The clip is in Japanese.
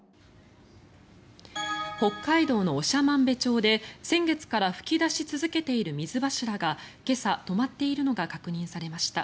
北海道の長万部町で先月から噴き出し続けている水柱が今朝、止まっているのが確認されました。